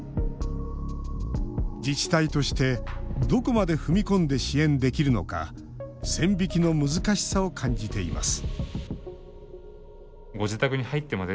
自治体としてどこまで踏み込んで支援できるのか線引きの難しさを感じています